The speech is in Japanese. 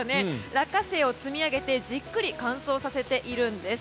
落花生を積み上げてじっくり乾燥させているんです。